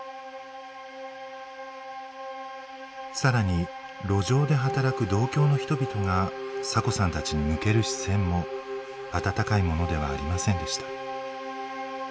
さらに路上で働く同郷の人々がサコさんたちに向ける視線も温かいものではありませんでした。